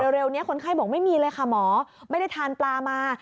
เร็วนี้คนไข้บอกไม่มีเลยค่ะหมอไม่ได้ทานปลามา